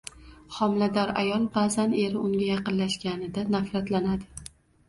Homilador ayol ba’zan eri unga yaqinlashganida nafratlanadi.